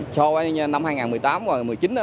so với năm hai nghìn một mươi tám và hai nghìn một mươi chín